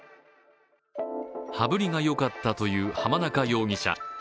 羽振りがよかったという浜中容疑者。